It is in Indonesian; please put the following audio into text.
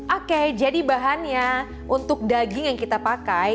oke jadi bahannya untuk daging yang kita pakai